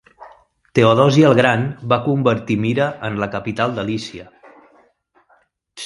Teodosi el gran va convertir Mira en la capital de Lícia.